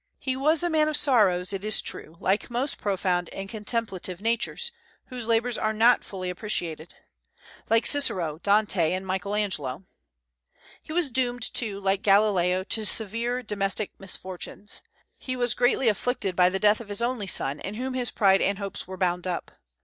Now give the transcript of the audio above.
He was a man of sorrows, it is true, like most profound and contemplative natures, whose labors are not fully appreciated, like Cicero, Dante, and Michael Angelo. He was doomed, too, like Galileo, to severe domestic misfortunes. He was greatly afflicted by the death of his only son, in whom his pride and hopes were bound up.